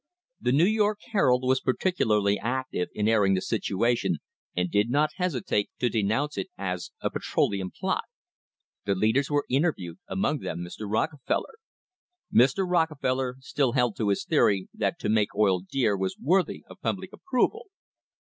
The New York Herald was particularly active in airing the situation and did not hesitate to denounce it as a "Petroleum Plot." The leaders were interviewed, among them Mr. Rockefeller. Mr. Rockefeller still held to his theory that to make oil dear was worthy of public approval.